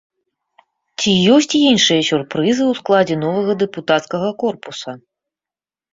Ці ёсць іншыя сюрпрызы ў складзе новага дэпутацкага корпуса?